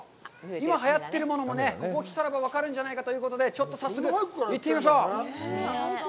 今、はやってるものも、ここ来たらば分かるんじゃないかということで、ちょっと早速、行ってみましょう。